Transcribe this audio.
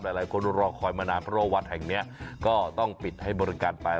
หลายคนรอคอยมานานเพราะว่าวัดแห่งนี้ก็ต้องปิดให้บริการไป